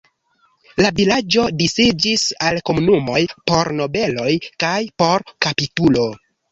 La vilaĝo disiĝis al komunumoj por nobeloj kaj por kapitulo.